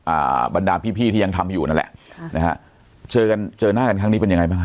อ่าบรรดาพี่พี่ที่ยังทำอยู่นั่นแหละค่ะนะฮะเจอกันเจอหน้ากันครั้งนี้เป็นยังไงบ้างฮ